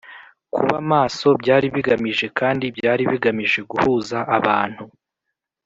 kuba maso Byari bigamije kandi byari bigamije guhuza abantu